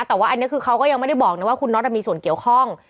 แต่ว่าอันนี้คือเขาก็ยังไม่ได้บอกนะว่าคุณน็อตมีส่วนเกี่ยวข้อง